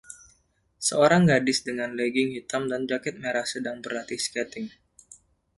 Seorang gadis dengan legging hitam dan jaket merah sedang berlatih skating.